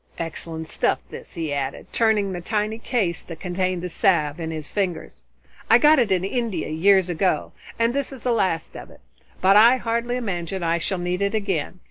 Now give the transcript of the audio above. Excellent stuff, this," he added, turning the tiny case that contained the salve in his fingers. "I got it in India years ago, and this is the last of it. But I hardly imagine I shall need it again.